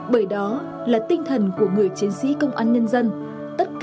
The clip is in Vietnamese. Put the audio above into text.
bởi đó là tinh thần của người chiến sĩ công an nhân dân tất cả vì nhân dân phục vụ